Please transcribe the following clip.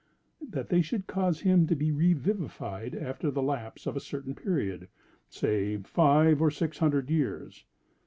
that they should cause him to be revivified after the lapse of a certain period—say five or six hundred years.